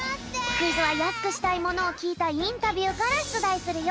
クイズはやすくしたいものをきいたインタビューからしゅつだいするよ。